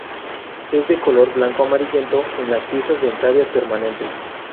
Es de color blanco-amarillento en las piezas dentarias permanentes.